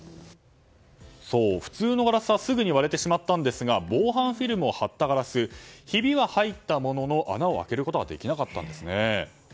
普通のガラスはすぐに割れてしまったんですが防犯フィルムを貼ったガラスひびは入ったものの穴を開けることはできなかったんですね。